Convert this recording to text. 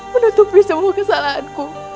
menutupi semua kesalahan